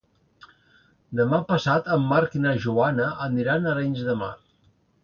Demà passat en Marc i na Joana aniran a Arenys de Mar.